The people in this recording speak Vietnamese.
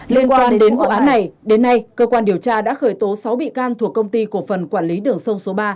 liên quan đến vụ án này đến nay cơ quan điều tra đã khởi tố sáu bị can thuộc công ty cổ phần quản lý đường sông số ba